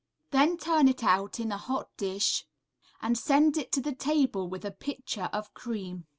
Then turn it out in a hot dish, and send it to the table with a pitcher of cream.